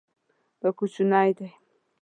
دا کوچنی دی